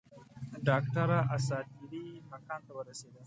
ډاکټره اساطیري مکان ته ورسېده.